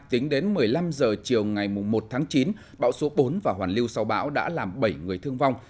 tính đến một mươi năm h chiều ngày một tháng chín bão số bốn và hoàn lưu sau bão đã làm bảy người thương vong